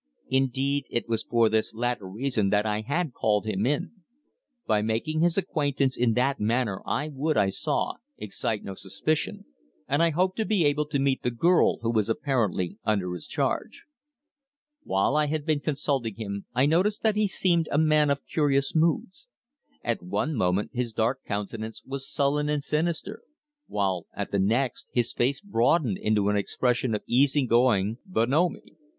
Indeed, it was for this latter reason that I had called him in. By making his acquaintance in that manner I would, I saw, excite no suspicion, and I hoped to be able to meet the girl who was apparently under his charge. While I had been consulting him I noticed that he seemed a man of curious moods. At one moment his dark countenance was sullen and sinister, while at the next his face broadened into an expression of easy going bonhomie.